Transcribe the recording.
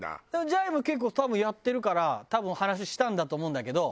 じゃいも結構多分やってるから多分話したんだと思うんだけど。